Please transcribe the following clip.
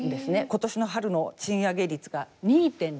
今年の春の賃上げ率が２．０９％。